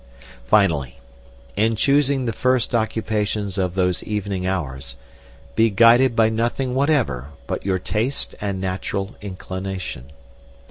Finally, in choosing the first occupations of those evening hours, be guided by nothing whatever but your taste and natural inclination.